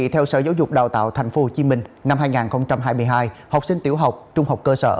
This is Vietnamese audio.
theo sở giáo dục đào tạo tp hcm năm hai nghìn hai mươi hai học sinh tiểu học trung học cơ sở